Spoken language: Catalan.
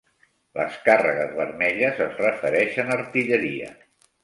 Les càrregues vermelles es refereixen a artilleria.